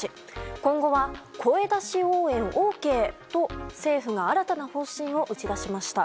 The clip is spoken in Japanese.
今後は声出し応援ＯＫと政府が新たな方針を打ち出しました。